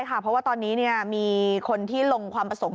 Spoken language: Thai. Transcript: เพราะว่าตอนนี้มีคนที่ลงความประสงค์